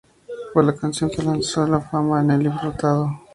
Fue la canción que lanzó a la fama a Nelly Furtado.